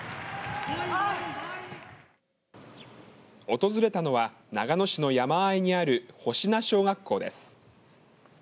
訪れたのは長野市の山あいにある保科小学校です。